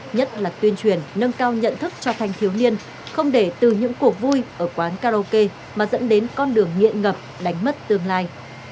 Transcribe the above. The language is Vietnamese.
nhất là tuyên truyền nâng cao nhận thức cho thanh thiếu niên không để từ những cuộc vui ở quán karaoke mà dẫn đến con đường nghiện ngập đánh mất tương lai